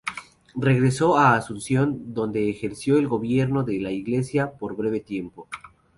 Regresó a Asunción, donde ejerció el gobierno de la Iglesia por breve tiempo.